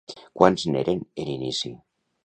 Quants n'eren en inici?